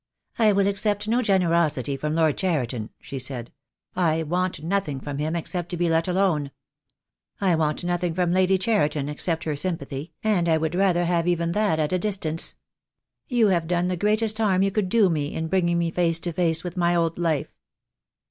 "I will accept no generosity from Lord Cheriton," she said. "I want nothing from him except to be let alone. I want nothing from Lady Cheriton except her sympathy, and I would rather have even that at a dis tance. You have done the greatest harm you could do me in bringing me face to face with my old life."